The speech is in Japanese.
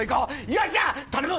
よっしゃ頼む！